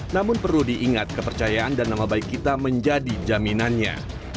namun perlu diingat kepercayaan dan nama baik kita menjadi jaminannya